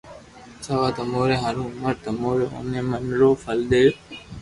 سآوا تموري ھاري عمر تمو اوني من رو فل ديو